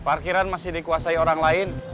parkiran masih dikuasai orang lain